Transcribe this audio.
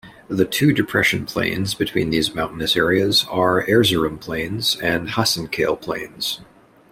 The two depression plains between these mountainous areas are Erzurum Plains and Hasankale Plains.